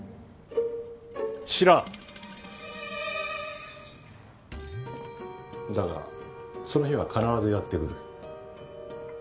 知らんだがその日は必ずやってくる。